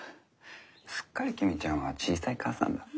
すっかり公ちゃんは小さい母さんだ。